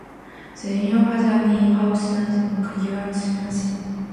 The Union has an in-house nightclub, Y Plas, which holds events throughout the week.